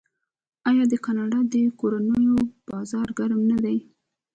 آیا د کاناډا د کورونو بازار ګرم نه دی؟